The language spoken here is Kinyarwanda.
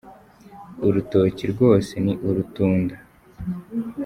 Urutoki rwose ni urutunda